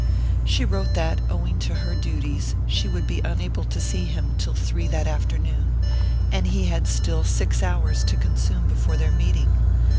She wrote that, owing to her duties, she would be unable to see him till three that afternoon; and he had still six hours to consume before their meeting.